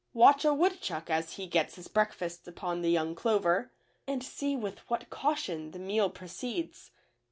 Watch a woodchuck as he gets his breakfast upon the young clover, and see with what caution the meal proceeds.